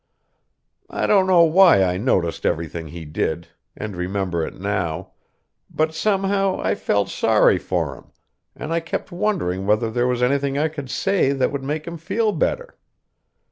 I don't know why I noticed everything he did, and remember it now; but somehow I felt sorry for him, and I kept wondering whether there was anything I could say that would make him feel better.